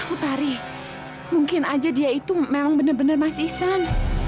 utari mungkin aja dia itu memang bener bener mas ihsan